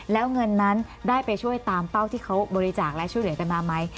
แล้วเงินนั้นได้ไปช่วยตามเป้าที่เขาบริจาคและช่วยเหลือกันมาไหม